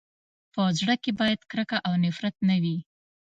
په زړه کي باید کرکه او نفرت نه وي.